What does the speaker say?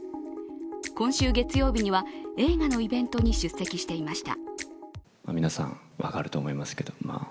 今週月曜日には、映画のイベントに出席していました。